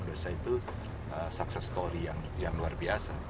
desa itu sukses story yang luar biasa